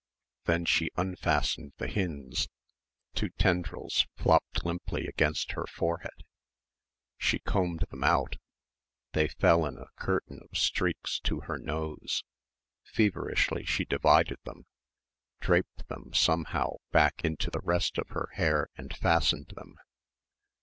Then she unfastened the Hinde's two tendrils flopped limply against her forehead. She combed them out. They fell in a curtain of streaks to her nose. Feverishly she divided them, draped them somehow back into the rest of her hair and fastened them.